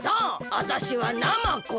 あたしはナマコ。